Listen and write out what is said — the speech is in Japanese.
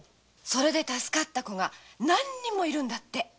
助かった子が何人もいるんだって。